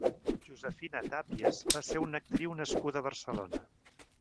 Josefina Tàpias va ser una actriu nascuda a Barcelona.